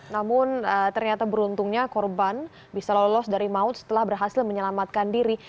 namun ternyata beruntungnya korban bisa lolos dari maut setelah berhasil menyelamatkan diri